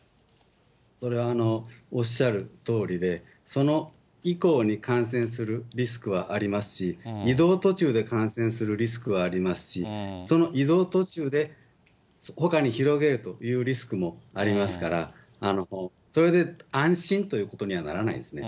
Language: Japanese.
それはおっしゃるとおりで、その以降に感染するリスクはありますし、移動途中で感染するリスクはありますし、その移動途中でほかに広げるというリスクもありますから、それで安心ということにはならないですね。